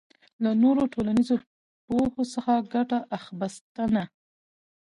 له نورو ټولنیزو پوهو څخه ګټه اخبستنه